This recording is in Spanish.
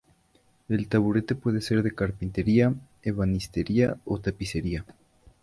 El taburete puede ser de carpintería, ebanistería o tapicería.